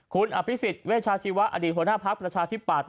คุณอภิษฎเวชาชีวะอดีตหัวหน้าภักดิ์ประชาธิปัตย